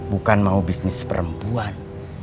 bukan mau bisnis perempuan